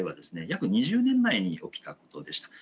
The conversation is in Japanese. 約２０年前に起きたことでした。